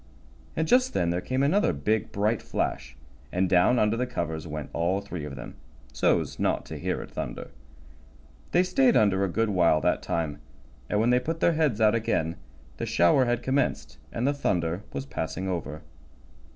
And just then there came another big, bright flash, and down under the covers went all three of them, so's not to hear it thunder. They stayed under a good while that time, and when they put their heads out again the shower had commenced, and the thunder was passing over.